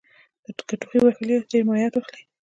که ټوخي وهلي یاست ډېر مایعت واخلئ